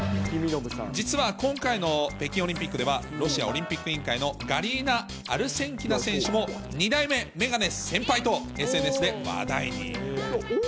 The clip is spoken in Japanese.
実は今回の北京オリンピックでは、ロシアオリンピック委員会のガリーナ・アルセンキナ選手も、２代目メガネ先輩と、ＳＮＳで話題に。